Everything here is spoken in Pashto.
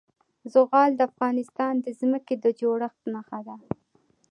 زغال د افغانستان د ځمکې د جوړښت نښه ده.